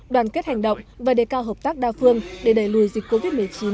đoàn kết hành động và đề cao hợp tác đa phương để đẩy lùi dịch covid một mươi chín